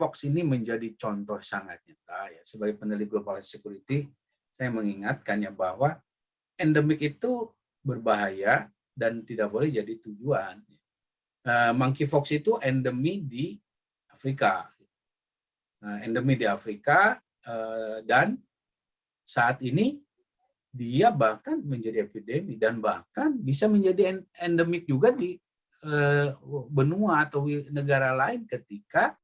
kepada tujuh puluh persen populasi bersiko tinggi dan lima puluh persen dari total populasi